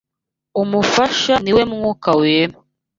Umufasha ni we Mwuka Wera